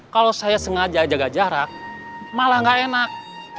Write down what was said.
kalau saya sengaja jaga jarak malah nggak enak